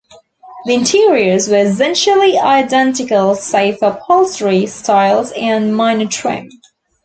The interiors were essentially identical save for upholstery styles and minor trim.